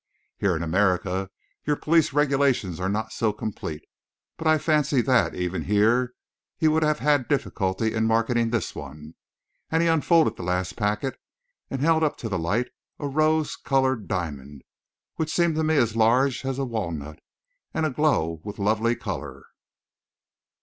Here in America, your police regulations are not so complete; but I fancy that, even here, he would have had difficulty in marketing this one," and he unfolded the last packet, and held up to the light a rose diamond which seemed to me as large as a walnut, and a glow with lovely colour.